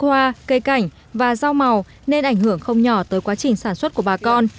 hoa cây cảnh và rau màu nên ảnh hưởng không nhỏ tới quá trình sản xuất của bà con